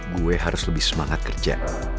gue harus lebih semangat kerja